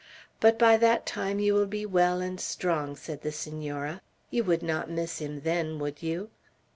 But by that time you will be well and strong," said the Senora; "you would not miss him then, would you?"